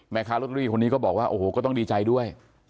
แม่ค้าลอตเตอรี่คนนี้ก็บอกว่าโอ้โหก็ต้องดีใจด้วย